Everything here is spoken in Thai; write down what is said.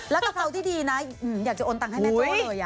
แล้วกะเพราที่ดีนะอยากจะโอนตังค์ให้แม่โจ้เลย